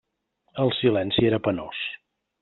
El silenci era penós.